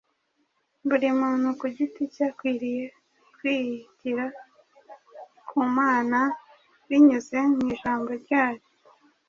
Buri muntu ku giti cye akwiriye kwigira ku Mana binyuze mu Ijambo ryayo.